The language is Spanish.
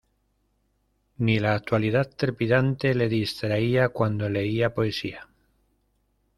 Ni la actualidad trepidante le distraía cuando leía poesía.